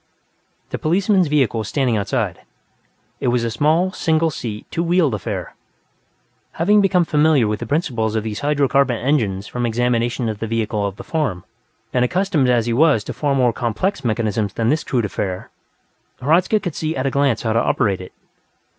The policeman's vehicle was standing outside. It was a small, single seat, two wheeled affair. Having become familiar with the principles of these hydro carbon engines from examination of the vehicle of the farm, and accustomed as he was to far more complex mechanisms than this crude affair, Hradzka could see at a glance how to operate it.